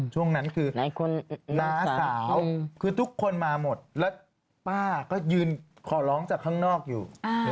ช่วงนั้นคือน้าสาวคือทุกคนมาหมดแล้วป้าก็ยืนขอร้องจากข้างนอกอยู่